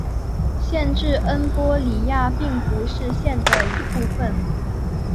县治恩波里亚并不是县的一部分。